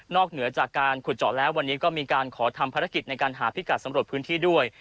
เหนือจากการขุดเจาะแล้ววันนี้ก็มีการขอทำภารกิจในการหาพิกัดสำรวจพื้นที่ด้วย